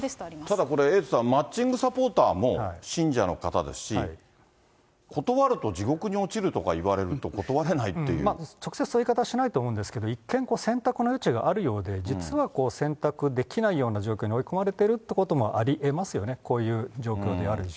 ただこれエイトさん、マッチングサポーターも信者の方ですし、断ると、地獄に落ちるとか言われ直接そういう言い方はしないと思うんですけど、一見選択の余地があるようで、実は選択できないような状況に追い込まれてるってこともありえますよね、こういう状況である以上。